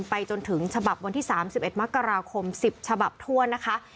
ไปจนถึงฉบับวันที่๓๑มกราคม๑๐ฉบับทั่วนะคะ